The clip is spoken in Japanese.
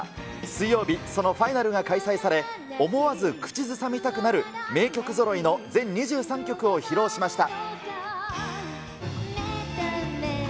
水曜日、そのファイナルが開催され、思わず口ずさみたくなる名曲ぞろいの全２３曲を披露しました。